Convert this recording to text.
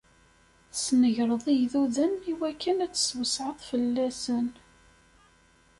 Tesnegreḍ igduden iwakken ad tt-teswesɛeḍ fell-asen.